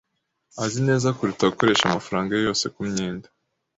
Azi neza kuruta gukoresha amafaranga ye yose kumyenda.